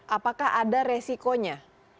apakah ada resikonya